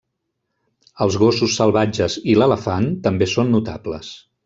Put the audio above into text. Els gossos salvatges i l’elefant també són notables.